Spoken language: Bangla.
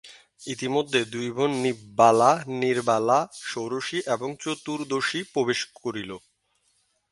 ইতিমধ্যে দুই বোন নৃপবালা, নীরবালা– ষোড়শী এবং চতুর্দশী প্রবেশ করিল।